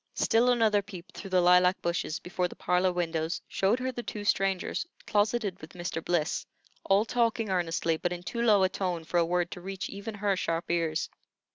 Still another peep through the lilac bushes before the parlor windows showed her the two strangers closeted with Mr. Bliss, all talking earnestly, but in too low a tone for a word to reach even her sharp ears.